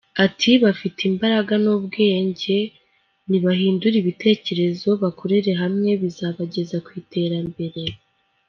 Ati “ Bafite imbaraga n’ubwenge nibahindure ibitekerezo bakorere hamwe bizabageza ku iterambere.